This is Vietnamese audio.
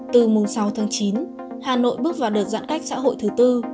từ mùng sáu tháng chín hà nội bước vào đợt giãn cách xã hội thứ tư